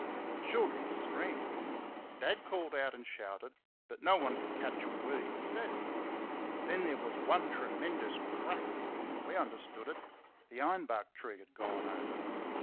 The children screamed. Dad called and shouted, but no one could catch a word he said. Then there was one tremendous crack we understood it the iron bark tree had gone over.